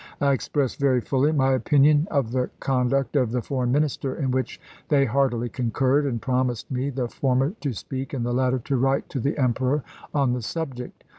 I expressed very fully my opinion of the conduct of the Foreign Minister, in which they heartily concurred, and promised me, the former to speak and the latter to write to the Emperor on the subject.